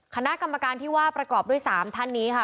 คณะกรรมการที่ว่าประกอบด้วย๓ท่านนี้ค่ะ